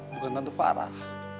bukan tante farah